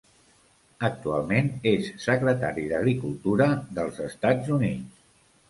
Actualment és Secretari d'Agricultura dels Estats Units.